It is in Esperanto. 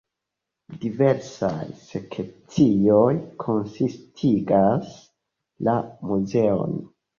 Diversaj sekcioj konsistigas la muzeon.